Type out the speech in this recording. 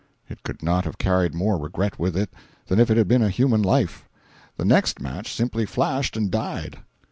It could not have carried more regret with it if it had been a human life. The next match simply flashed and died.